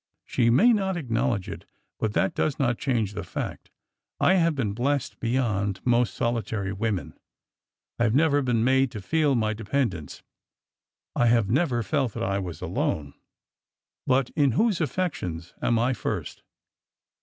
She may not ac knowledge it, but that does not change the fact. I have been blessed beyond most solitary women. I have never been made to feel my dependence. I have never felt that I was alone. But — in whose affections am I first?"